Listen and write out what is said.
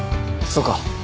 そうか。